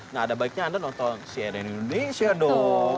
nah ada baiknya anda nonton cnn indonesia dong